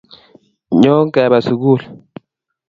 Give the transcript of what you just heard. nyoo kebe sugul